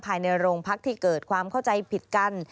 ภายในโรงพักที่เกิดความเข้าใจผิดกัน